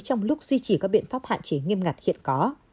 trong lúc duy trì các biện pháp hạn chế nghiêm ngặt hiện có